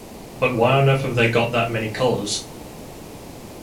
But why on earth have they got that many colours?